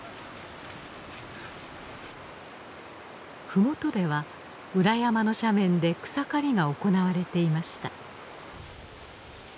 ふもとでは裏山の斜面で草刈りが行われていました。